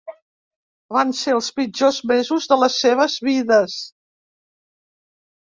Van ser els pitjors mesos de les seves vides.